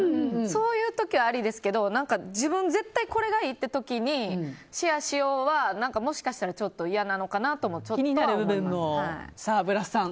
そういう時はありですけど自分絶対これがいいっていう時にシェアしようはもしかしたら、いやなのかなともちょっとは思います。